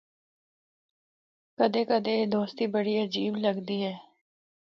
کدے کدے اے دوستی بڑی عجیب لگدی ہے۔